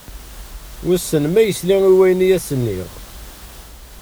Wissen ma yesla-d i wayen i as-nniɣ?